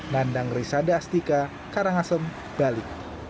nandang risada astika karangasem bali